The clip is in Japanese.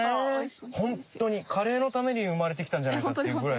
本当にカレーのために生まれてきたんじゃないかっていうぐらい。